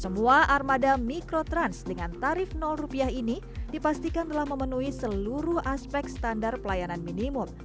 semua armada mikrotrans dengan tarif ini dipastikan telah memenuhi seluruh aspek standar pelayanan minimum